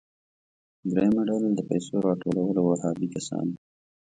دریمه ډله د پیسو راټولولو وهابي کسان وو.